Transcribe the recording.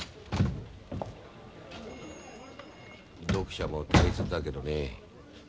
読者も大切だけどね